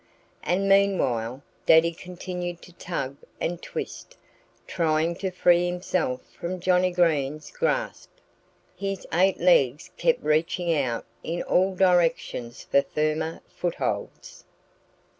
And meanwhile Daddy continued to tug and twist, trying to free himself from Johnnie Green's grasp. His eight legs kept reaching out in all directions for firmer footholds.